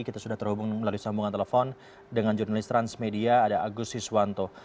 kita sudah terhubung melalui sambungan telepon dengan jurnalis transmedia ada agus siswanto